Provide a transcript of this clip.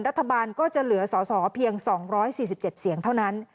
รัฐบาลก็จะเหลือสอสอเพียง๒๔๗เสียงเท่านั้น